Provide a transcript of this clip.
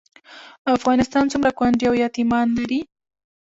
افغانستان څومره کونډې او یتیمان لري؟